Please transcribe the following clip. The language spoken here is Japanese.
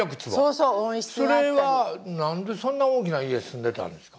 それは何でそんな大きな家住んでたんですか？